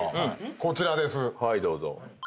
こちらです。